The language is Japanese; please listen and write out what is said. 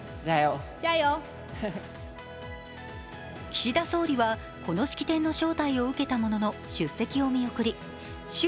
岸田総理この式典の招待を受けたものの出席を見送り習